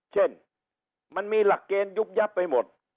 เช่นมันมีหลักเกณฑ์ยุบยับไปหมด